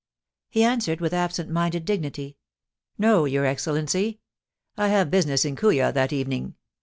* He answered with absent minded dignity :* No, your Excellency. I have business in Kooya that evening.